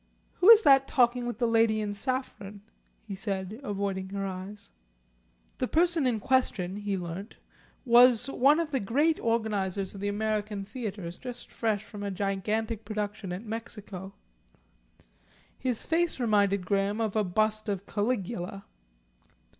"Who is that talking with the lady in saffron?" he asked, avoiding her eyes. The person in question he learnt was one of the great organisers of the American theatres just fresh from a gigantic production at Mexico. His face reminded Graham of a bust of Caligula.